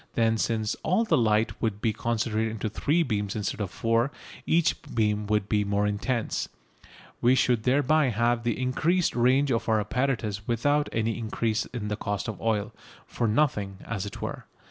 Then, since all the light would be concentrated into three beams instead of four, each beam would be more intense. We should thereby have increased the range of our apparatus without any increase in the cost of oil for nothing, as it were.